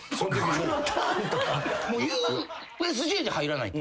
もう「ＵＳＪ」で入らないと。